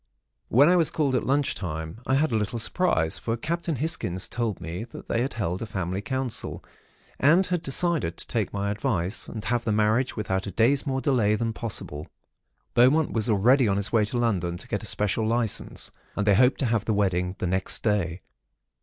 "When I was called at lunch time, I had a little surprise; for Captain Hisgins told me that they had held a family council, and had decided to take my advice, and have the marriage without a day's more delay than possible. Beaumont was already on his way to London to get a special licence, and they hoped to have the wedding the next day.